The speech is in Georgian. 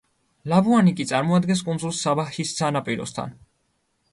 ლაბუანი კი წარმოადგენს კუნძულს საბაჰის სანაპიროსთან.